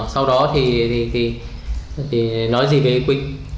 sau đó thì nói gì với ý quỳnh